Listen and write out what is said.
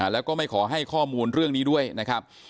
แล้วก็ไม่ขอให้ข้อมูลเรื่องนี้ด้วยนะครับ